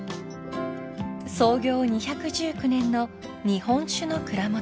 ［創業２１９年の日本酒の蔵元］